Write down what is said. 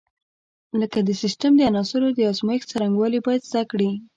لکه د سیسټم د عناصرو د ازمېښت څرنګوالي باید زده کړي.